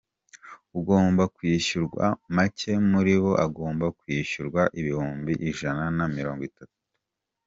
Ugomba kwishyurwa make muri bo agomba kwishyurwa ibihumbi ijana na mirongo itanu.